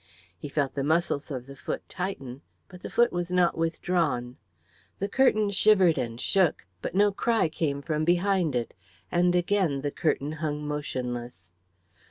He felt the muscles of the foot tighten, but the foot was not withdrawn. The curtain shivered and shook, but no cry came from behind it, and again the curtain hung motionless.